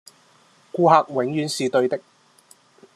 顧客永遠是對的